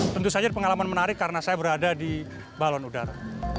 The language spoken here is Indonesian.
tentu saja pengalaman menarik karena saya berada di balon udara